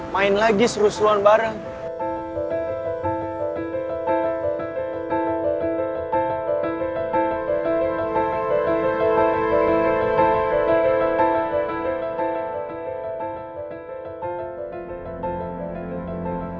main lagi seru seruan bareng